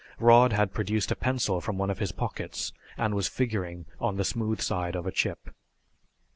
Rod had produced a pencil from one of his pockets and was figuring on the smooth side of a chip.